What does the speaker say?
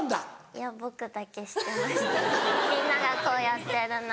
いや僕だけしてましたみんながこうやってる中。